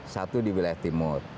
satu di wilayah timur